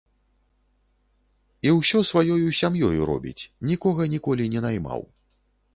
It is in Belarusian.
І ўсё сваёю сям'ёю робіць, нікога ніколі не наймаў.